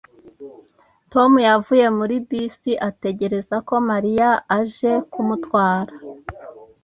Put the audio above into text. Tom yavuye muri bisi ategereza ko Mariya aje kumutwara.